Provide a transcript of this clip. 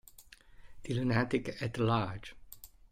The Lunatic at Large